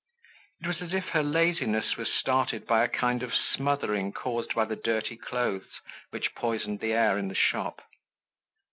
It was as if her laziness was started by a kind of smothering caused by the dirty clothes which poisoned the air in the shop.